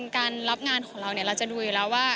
การรับงานของเราเราจะดูอยู่แล้วว่า